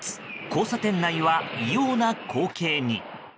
交差点内は異様な光景に。